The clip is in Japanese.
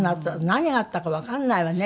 何があったかわかんないわね